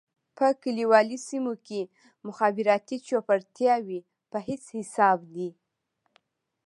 په کليوالي سېمو کې مخابراتي چوپړتياوې په هيڅ حساب دي.